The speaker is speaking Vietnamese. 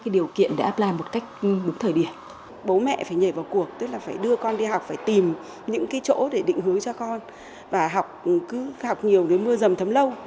để định hướng cho con và học nhiều để mưa dầm thấm lâu